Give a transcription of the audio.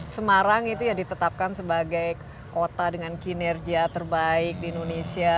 semarang itu ya ditetapkan sebagai kota dengan kinerja terbaik di indonesia